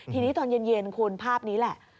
ทีนี้ตอนเย็นคุณภาพนี้แหละ